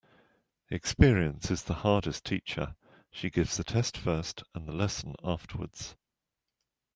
Experience is the hardest teacher. She gives the test first and the lesson afterwards.